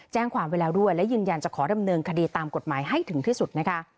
แจ้งความไว้แล้วด้วยและยืนยันจะขอดำเนินคดีตามกฎหมายให้ถึงที่สุดนะคะ